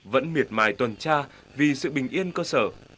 vẫn miệt mài tuần tra vì sự bình yên cơ sở